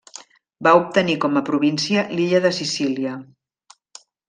Va obtenir com a província l'illa de Sicília.